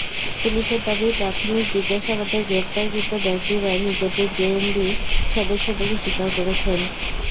পুলিশের দাবি, প্রাথমিক জিজ্ঞাসাবাদে গ্রেপ্তারকৃত ব্যক্তিরা নিজেদের জেএমবির সদস্য বলে স্বীকার করেছেন।